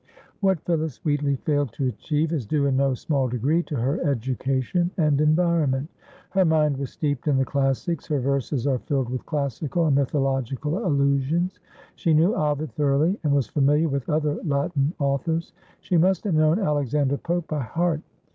What Phillis Wheatley failed to achieve is due in no small degree to her education and environment. Her mind was steeped in the classics; her verses are filled with classical and mythological allusions. She knew Ovid thoroughly and was familiar with other Latin authors. She must have known Alexander Pope by heart.